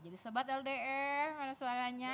jadi sobat ldr mana suaranya